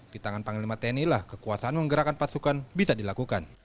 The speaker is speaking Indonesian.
di tangan panglima tni lah kekuasaan menggerakkan pasukan bisa dilakukan